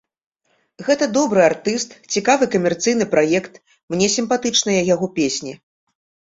Гэта добры артыст, цікавы камерцыйны праект, мне сімпатычныя яго песні.